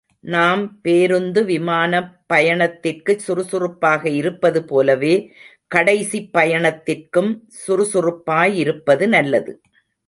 நாம் பேருந்து, விமானப் பயணத்திற்குச் சுறுசுறுப்பாக இருப்பது போலவே கடைசிப் பயணத்திற்கும் சுறுசுறுப்பாய் இருப்பது நல்லது.